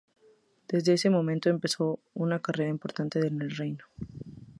Desde ese momento empezó una carrera importante en el reino.